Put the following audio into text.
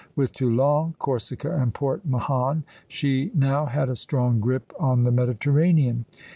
With Toulon, Corsica, and Port Mahon, she now had a strong grip on the Mediterranean.